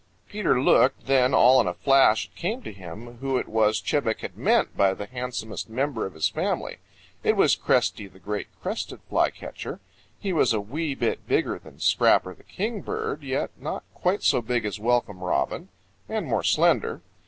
Peter looked, then all in a flash it came to him who it was Chebec had meant by the handsomest member of his family. It was Cresty the Great Crested Flycatcher. He was a wee bit bigger than Scrapper the Kingbird, yet not quite so big as Welcome Robin, and more slender.